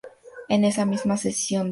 En esa misma sesión el Br.